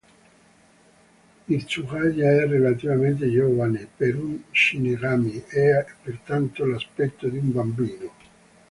Hitsugaya è relativamente giovane per uno Shinigami e ha pertanto l'aspetto di un bambino.